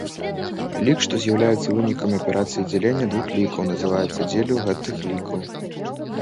Лік, што з'яўляецца вынікам аперацыі дзялення двух лікаў, называецца дзеллю гэтых лікаў.